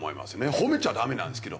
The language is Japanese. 褒めちゃダメなんですけど。